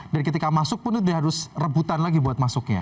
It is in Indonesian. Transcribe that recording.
dan ketika masuk pun itu harus rebutan lagi buat masuknya